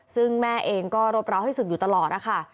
ซึ่งแม่เองก็รบร้าวให้ศึกอยู่ตลอดนะคะ